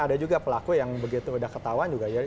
ada juga pelaku yang begitu udah ketahuan